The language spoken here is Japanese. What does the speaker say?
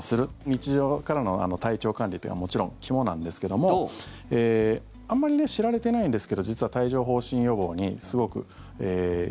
日常からの体調管理というのはもちろん肝なんですけどもあまり知られてないんですけど実は帯状疱疹予防にすごく。